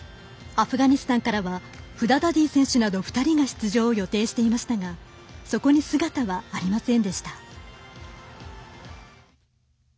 アフガニスタンからはフダダディ選手など２人が出場を予定していましたがそこに姿はありませんでした。